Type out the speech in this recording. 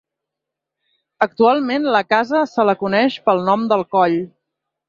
Actualment la casa se la coneix pel nom del Coll.